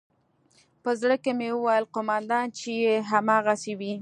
په زړه کښې مې وويل قومندان چې يې هغسې وي.